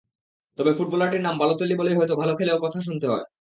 তবে ফুটবলারটির নাম বালোতেল্লি বলেই হয়তো ভালো খেলেও কথা শুনতে হয়।